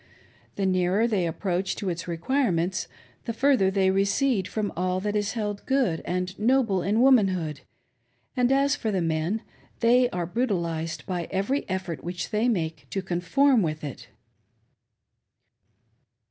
The nearer they approach to its require ments, the further tl^y recede from all that is held good and noble in womanhood, and as for the men, they are brutalised by every effort which they make to conform with it.